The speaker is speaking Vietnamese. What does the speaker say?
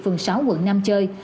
phường sáu quận năm chơi